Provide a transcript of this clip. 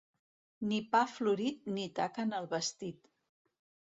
Ni pa florit ni taca en el vestit.